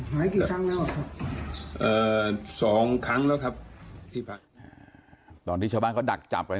กี่ครั้งแล้วครับเอ่อสองครั้งแล้วครับที่พักตอนที่ชาวบ้านเขาดักจับไป